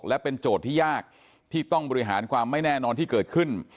และเป็นโจทย์ที่ยากที่ต้องบริหารความไม่แน่นอนที่เกิดขึ้น